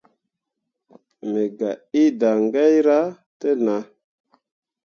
Me gah ĩĩ daŋgaira te nah.